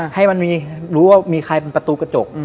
ให้มันรู้ว่ามีใครเป็นประตูกระจก